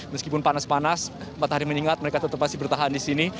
meskipun panas panas matahari menyingat mereka tetap masih bertahan di sini